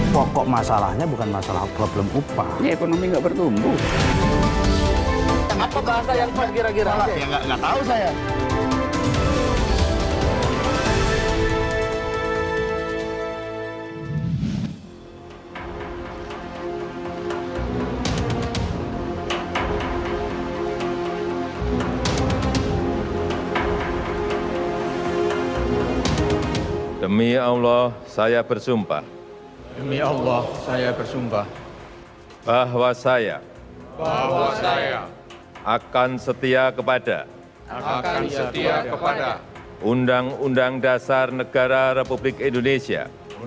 demi allah saya bersumpah bahwa saya akan setia kepada undang undang dasar negara republik indonesia